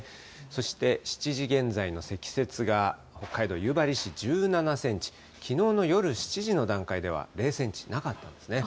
そして、７時現在の積雪が北海道夕張市１７センチ、きのうの夜７時の段階では０センチ、なかったんですね。